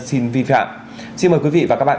xin vi phạm xin mời quý vị và các bạn